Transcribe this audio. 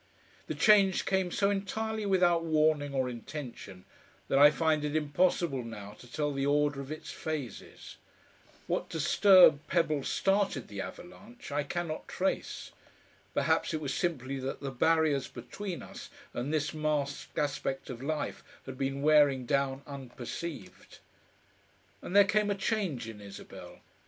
The change came so entirely without warning or intention that I find it impossible now to tell the order of its phases. What disturbed pebble started the avalanche I cannot trace. Perhaps it was simply that the barriers between us and this masked aspect of life had been wearing down unperceived. And there came a change in Isabel.